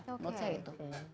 menurut saya itu